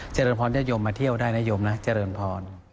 เจริญพรญาติโยมมาเที่ยวได้นะโยมนะเจริญพร